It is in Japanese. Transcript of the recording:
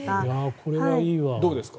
これはいいわ。